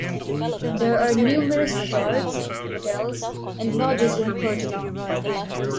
There are numerous resorts, hotels and lodges in Courtallam.